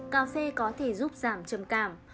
bảy cà phê có thể giúp giảm trầm cảm